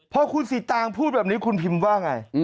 พอคุณสีตางพูดแบบนี้คุณพิมพ์ว่าไง